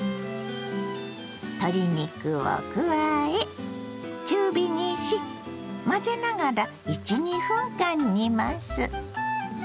鶏肉を加え中火にし混ぜながら１２分間煮ます。